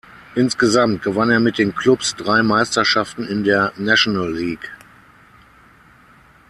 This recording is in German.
Insgesamt gewann er mit den Cubs drei Meisterschaften in der National League.